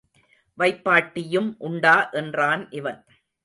வைப்பாட்டியும் உண்டா? என்றான் இவன்.